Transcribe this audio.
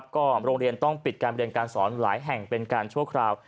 ก็โรงเรียนต้องปิดการเรียนการสอนหลายแห่งเป็นการชั่วคราว